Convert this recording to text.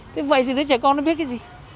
thế vậy thì đứa trẻ con nó biết cái gì